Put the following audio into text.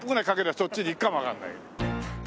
そっちに行くかもわかんない。